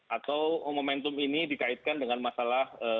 atau momentum ini dikaitkan dengan kemampuan yang diperlukan